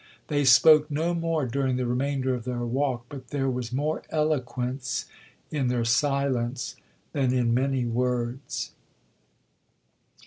They spoke no more during the remainder of their walk, but there was more eloquence in their silence than in many words.